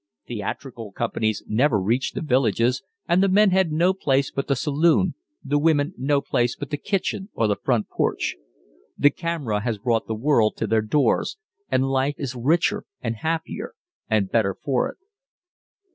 Theatrical companies never reached the villages, and the men had no place but the saloon, the women no place but the kitchen or the front porch. The camera has brought the world to their doors, and life is richer, happier, and better for it."